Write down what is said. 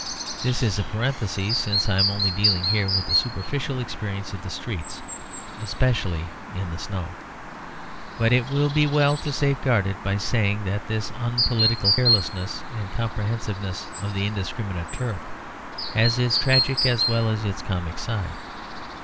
This is a parenthesis, since I am only dealing here with the superficial experience of the streets, especially in the snow. But it will be well to safeguard it by saying that this unpolitical carelessness and comprehensiveness of the indiscriminate Turk had its tragic as well as its comic side.